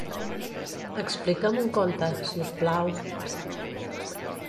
Explica'm un conte, si us plau.